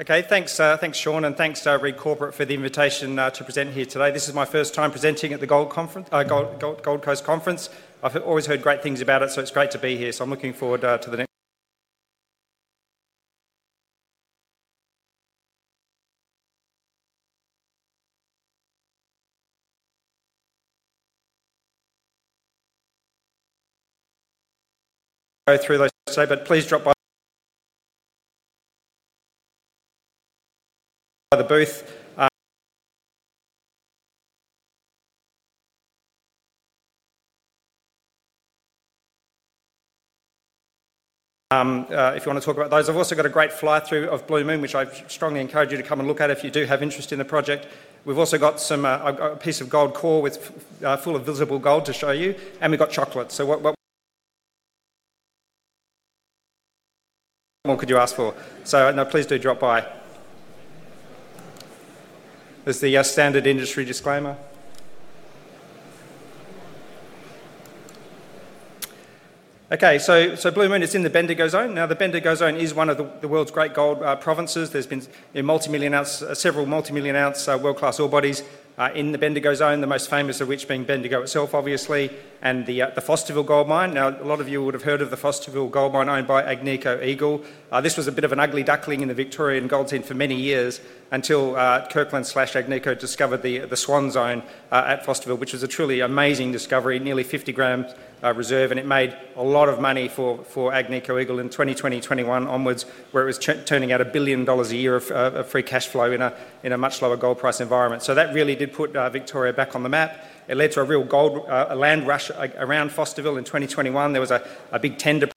Okay, thanks, thanks Sean, and thanks Reed Corporate for the invitation to present here today. This is my first time presenting at the Gold Coast Conference. I've always heard great things about it, so it's great to be here. I'm looking forward to the next. Go through those, but please drop by the booth. If you want to talk about those, I've also got a great fly-through of Blue Moon, which I strongly encourage you to come and look at if you do have interest in the project. We've also got a piece of gold core full of visible gold to show you, and we've got chocolate. What more could you ask for? Please do drop by. There's the standard industry disclaimer. Okay, Blue Moon is in the Bendigo Zone. The Bendigo Zone is one of the world's great gold provinces. There's been several multi-million ounce world-class ore bodies in the Bendigo Zone, the most famous of which being Bendigo itself, obviously, and the Fosterville gold mine. A lot of you would have heard of the Fosterville gold mine owned by Agnico Eagle. This was a bit of an ugly duckling in the Victorian gold scene for many years until Kirkland/Agnico discovered the Swan zone at Fosterville, which was a truly amazing discovery, nearly 50 grams per tonne reserve, and it made a lot of money for Agnico Eagle in 2020-2021 onwards, where it was turning out $1 billion a year of free cash flow in a much lower gold price environment. That really did put Victoria back on the map. It led to a real gold land rush around Fosterville in 2021. There was a big tender.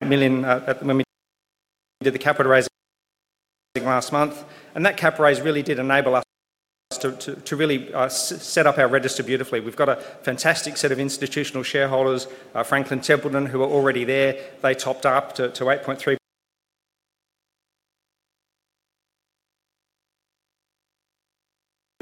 Million at the moment. Did the capital raise last month, and that capital raise really did enable us to really set up our register beautifully. We've got a fantastic set of institutional shareholders, Franklin Templeton, who are already there. They topped up to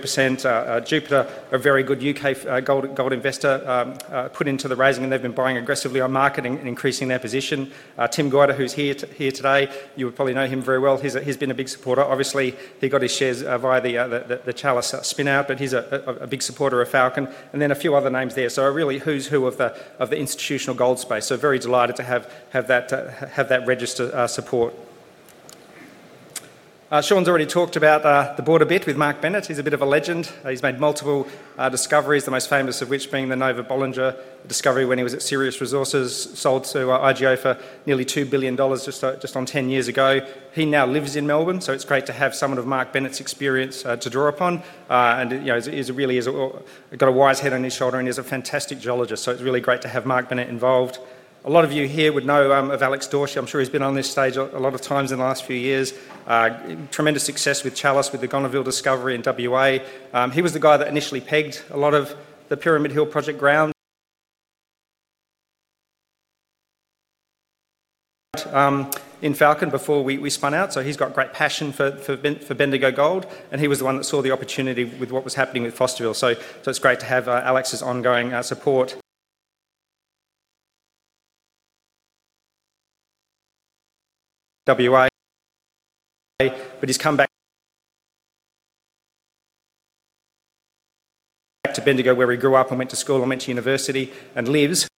8.3%. Jupiter, a very good UK gold investor, put into the raising, and they've been buying aggressively on marketing and increasing their position. Tim Goyder, who's here today, you would probably know him very well. He's been a big supporter. Obviously, he got his shares via the Chalice spin-out, but he's a big supporter of Falcon and then a few other names there. Really, who's who of the institutional gold space. Very delighted to have that register support. Sean's already talked about the board a bit with Mark Bennett. He's a bit of a legend. He's made multiple discoveries, the most famous of which being the Nova-Bollinger discovery when he was at Sirius Resources, sold to IGO Limited for nearly $2 billion just on 10 years ago. He now lives in Melbourne, so it's great to have someone of Mark Bennett's experience to draw upon. He's really got a wise head on his shoulder, and he's a fantastic geologist, so it's really great to have Mark Bennett involved. A lot of you here would know of Alex Dorsch. I'm sure he's been on this stage a lot of times in the last few years. Tremendous success with Chalice Mining, with the Gonneville discovery in WA. He was the guy that initially pegged a lot of the Pyramid Hill project ground in Falcon Metals before we spun out. He's got great passion for Bendigo gold, and he was the one that saw the opportunity with what was happening with Fosterville. It's great to have Alex's ongoing support. He's come back to Bendigo where he grew up and went to school and went to university and lives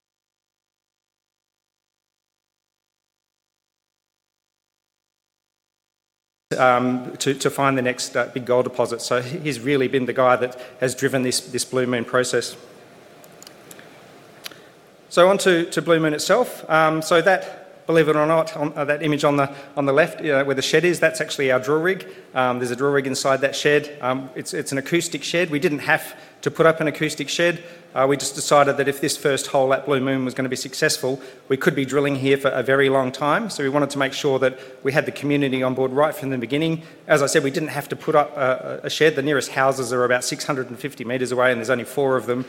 to find the next big gold deposit. He's really been the guy that has driven this Blue Moon process. On to Blue Moon itself. That, believe it or not, that image on the left where the shed is, that's actually our drill rig. There's a drill rig inside that shed. It's an acoustic shed. We didn't have to put up an acoustic shed. We just decided that if this first hole at Blue Moon was going to be successful, we could be drilling here for a very long time. We wanted to make sure that we had the community on board right from the beginning. As I said, we didn't have to put up a shed. The nearest houses are about 650 meters away, and there's only four of them.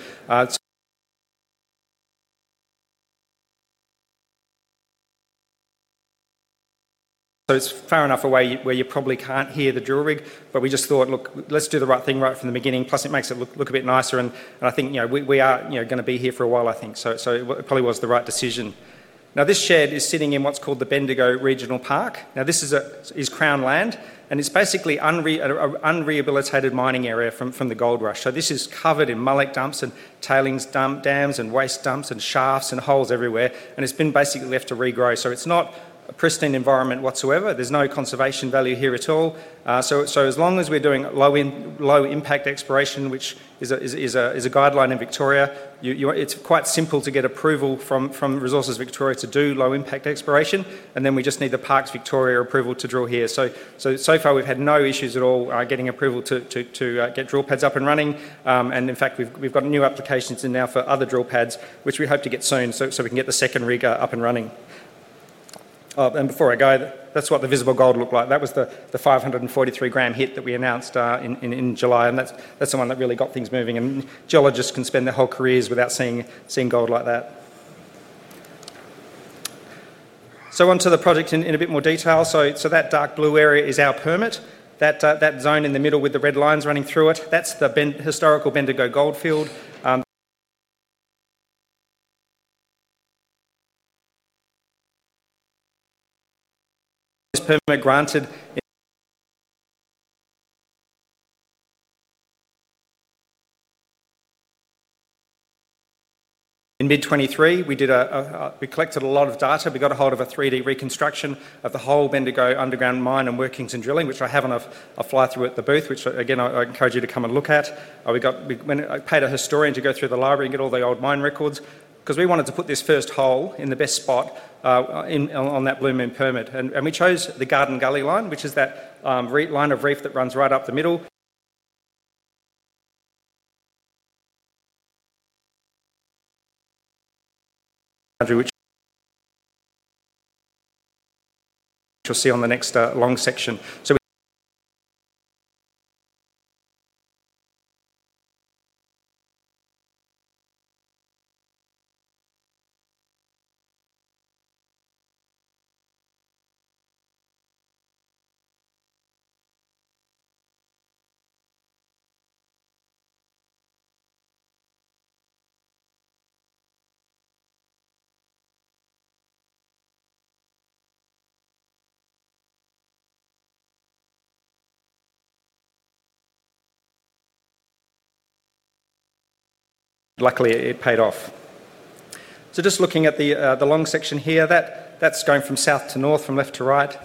It's far enough away where you probably can't hear the drill rig, but we just thought, look, let's do the right thing right from the beginning. Plus, it makes it look a bit nicer, and I think, you know, we are going to be here for a while, I think. It probably was the right decision. Now this shed is sitting in what's called the Bendigo Regional Park. This is Crown Land, and it's basically an unrehabilitated mining area from the gold rush. This is covered in mullock dumps and tailings dams and waste dumps and shafts and holes everywhere, and it's been basically left to regrow. It's not a pristine environment whatsoever. There's no conservation value here at all. As long as we're doing low impact exploration, which is a guideline in Victoria, it's quite simple to get approval from Resources Victoria to do low impact exploration, and then we just need the Parks Victoria approval to drill here. So far we've had no issues at all getting approval to get drill pads up and running, and in fact, we've got new applications in now for other drill pads, which we hope to get soon so we can get the second rig up and running. Before I go, that's what the visible gold looked like. That was the 543 gram hit that we announced in July, and that's the one that really got things moving, and geologists can spend their whole careers without seeing gold like that. On to the project in a bit more detail. That dark blue area is our permit. That zone in the middle with the red lines running through it, that's the historical Bendigo gold field. This permit granted in mid-2023. We collected a lot of data. We got a hold of a 3D reconstruction of the whole Bendigo underground mine and workings and drilling, which I have on a fly-through at the booth, which again I encourage you to come and look at. We got a historian to go through the library and get all the old mine records because we wanted to put this first hole in the best spot on that Blue Moon permit. We chose the Garden Gully line, which is that line of reef that runs right up the middle, which you'll see on the next long section. Luckily it paid off. Just looking at the long section here, that's going from south to north, from left to right.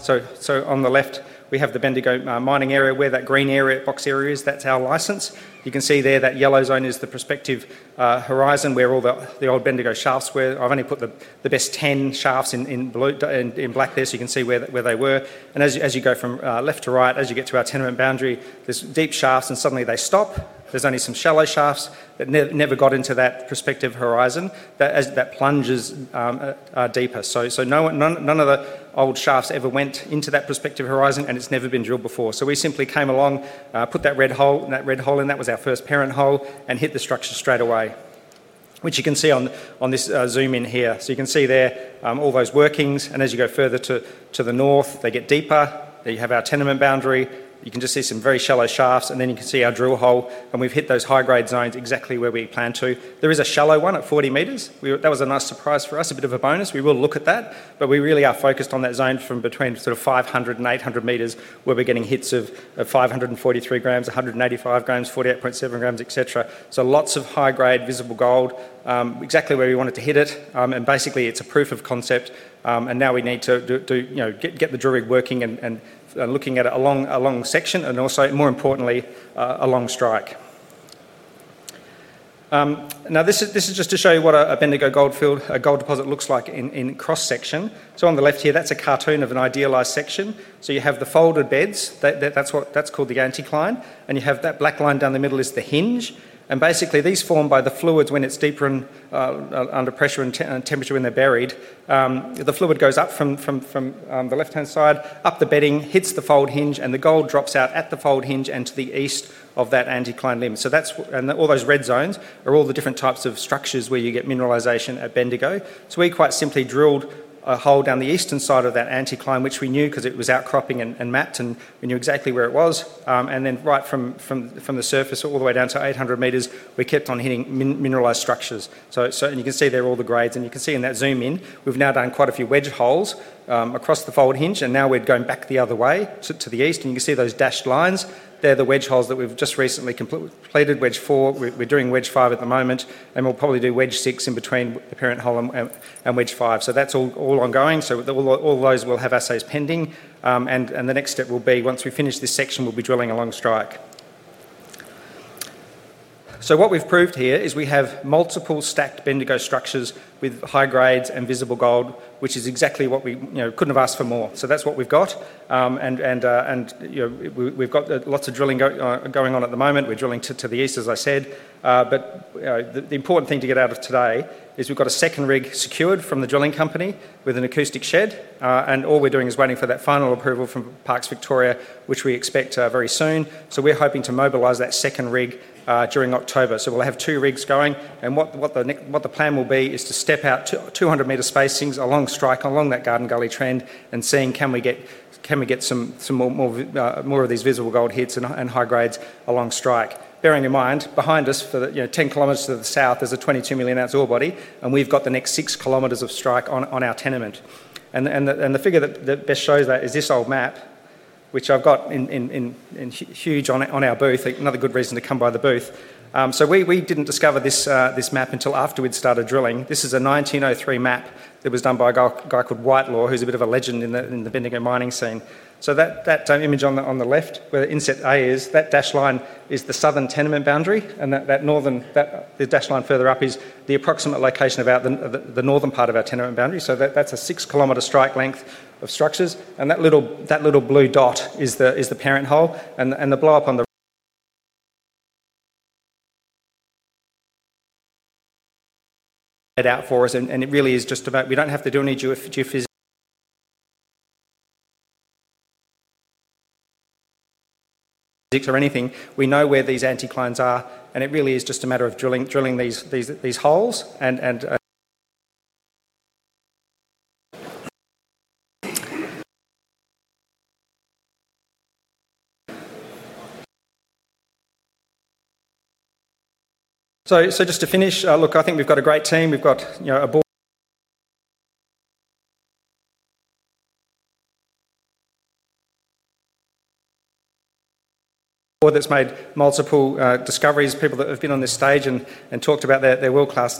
On the left, we have the Bendigo mining area where that green area box area is. That's our license. You can see there that yellow zone is the prospective horizon where all the old Bendigo shafts were. I've only put the best 10 shafts in blue and in black there, so you can see where they were. As you go from left to right, as you get to our tenement boundary, there's deep shafts and suddenly they stop. There's only some shallow shafts. It never got into that prospective horizon. That plunges deeper. None of the old shafts ever went into that prospective horizon, and it's never been drilled before. We simply came along, put that red hole in, that red hole, and that was our first parent hole and hit the structure straight away, which you can see on this zoom in here. You can see there all those workings, and as you go further to the north, they get deeper. There you have our tenement boundary. You can just see some very shallow shafts, and then you can see our drill hole, and we've hit those high-grade zones exactly where we plan to. There is a shallow one at 40 meters. That was a nice surprise for us, a bit of a bonus. We will look at that, but we really are focused on that zone from between sort of 500 and 800 meters where we're getting hits of 543 grams, 185 grams, 48.7 grams, etc. Lots of high-grade visible gold exactly where we wanted to hit it, and basically it's a proof of concept, and now we need to get the drill rig working and looking at a long section and also, more importantly, a long strike. This is just to show you what a Bendigo gold field, a gold deposit looks like in cross-section. On the left here, that's a cartoon of an idealized section. You have the folded beds. That's what that's called, the anticline, and you have that black line down the middle, which is the hinge, and basically these form by the fluids when it's deeper under pressure and temperature when they're buried. The fluid goes up from the left-hand side, up the bedding, hits the fold hinge, and the gold drops out at the fold hinge and to the east of that anticline limb. All those red zones are all the different types of structures where you get mineralization at Bendigo. We quite simply drilled a hole down the eastern side of that anticline, which we knew because it was outcropping and mapped, and we knew exactly where it was. Right from the surface all the way down to 800 meters, we kept on hitting mineralized structures. You can see there are all the grades, and you can see in that zoom in, we've now done quite a few wedge holes across the fold hinge, and now we're going back the other way to the east, and you can see those dashed lines. They're the wedge holes that we've just recently completed, wedge four. We're doing wedge five at the moment, and we'll probably do wedge six in between the current hole and wedge five. That's all ongoing. All those will have assays pending, and the next step will be, once we finish this section, we'll be drilling a long strike. What we've proved here is we have multiple stacked Bendigo structures with high grades and visible gold, which is exactly what we, you know, couldn't have asked for more. That's what we've got, and you know we've got lots of drilling going on at the moment. We're drilling to the east, as I said, but the important thing to get out of today is we've got a second rig secured from the drilling company with an acoustic shed, and all we're doing is waiting for that final approval from Parks Victoria, which we expect very soon. We're hoping to mobilize that second rig during October. We'll have two rigs going, and what the plan will be is to step out 200 meter spacings along strike, along that Garden Gully trend, and seeing can we get some more of these visible gold hits and high grades along strike. Bearing in mind, behind us for 10 kilometers to the south, there's a 22 million ounce ore body, and we've got the next six kilometers of strike on our tenement. The figure that best shows that is this old map, which I've got in huge on our booth, another good reason to come by the booth. We didn't discover this map until after we'd started drilling. This is a 1903 map that was done by a guy called White Law, who's a bit of a legend in the Bendigo mining scene. That image on the left, where the inset A is, that dash line is the southern tenement boundary, and that dash line further up is the approximate location of the northern part of our tenement boundary. That's a six kilometer strike length of structures, and that little blue dot is the parent hole, and the blow-up on the out for us, and it really is just about, we don't have to do any geophysics or anything. We know where these anticlines are, and it really is just a matter of drilling these holes. Just to finish, look, I think we've got a great team. We've got a board that's made multiple discoveries, people that have been on this stage and talked about their world class.